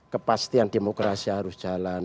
kepastian demokrasi harus jelas